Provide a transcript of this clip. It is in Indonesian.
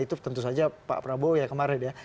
itu tentu saja pak prabowo ya kemarin ya